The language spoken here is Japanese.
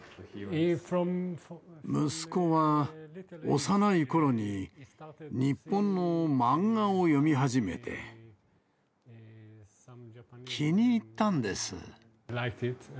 息子は幼いころに日本の漫画を読み始めて、気に入ったんです。